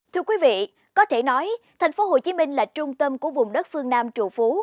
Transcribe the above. thưa quý vị có thể nói tp hcm là trung tâm của vùng đất phương nam trụ phú